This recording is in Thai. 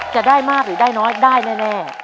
จะได้มากหรือได้น้อยได้แน่